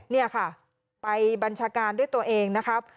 นี่ค่ะไปบัญชาการด้วยตัวเองนะครับ